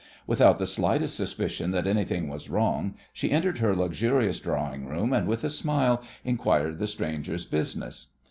Without the slightest suspicion that anything was wrong she entered her luxurious drawing room, and with a smile inquired the strangers' business.